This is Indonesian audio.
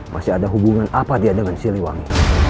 masih ada hubungan apa dia dengan siliwangi